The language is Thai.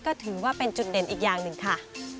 ก็ถือว่าเป็นจุดเด่นอีกอย่างหนึ่งค่ะ